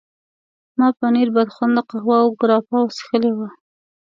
ما پنیر، بدخونده قهوه او ګراپا څښلي وو.